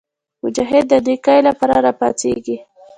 مجاهد د نیکۍ لپاره راپاڅېږي.